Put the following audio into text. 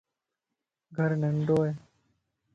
گھر ننڍو ائي